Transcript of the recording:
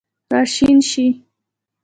راشین شي